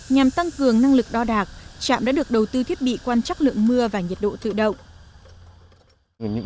nhằm tăng cường năng lực đo đạc trạm đã được đầu tư thiết bị quan trắc lượng mưa và nhiệt độ tự động